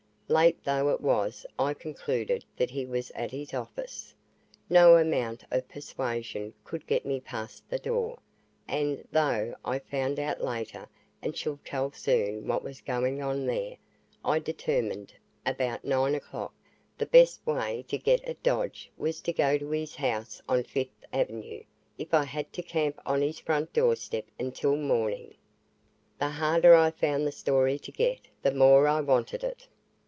Late though it was I concluded that he was at his office. No amount of persuasion could get me past the door, and, though I found out later and shall tell soon what was going on there, I determined, about nine o'clock, that the best way to get at Dodge was to go to his house on Fifth Avenue, if I had to camp on his front doorstep until morning. The harder I found the story to get, the more I wanted it.